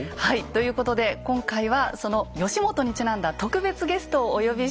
ということで今回はその義元にちなんだ特別ゲストをお呼びしております。